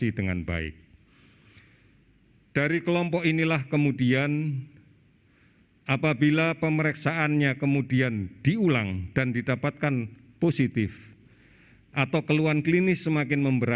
ini adalah kebijakan yang terakhir